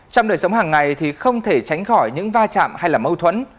trong đời sống hàng ngày thì không thể tránh khỏi những va chạm hay là mâu thuẫn